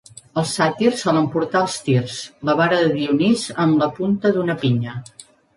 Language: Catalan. Els sàtirs solen portar el tirs: la vara de Dionís amb la punta d'una pinya.